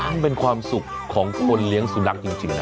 มันเป็นความสุขของคนเลี้ยงสุนัขจริงนะ